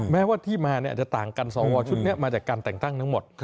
แม้ว่าที่มาอาจจะต่างกันสวชุดนี้มาจากการแต่งตั้งทั้งหมด